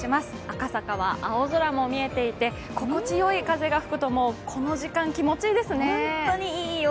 赤坂は青空も見えていて心地よい風が吹くと、この時間気持ちいいですね。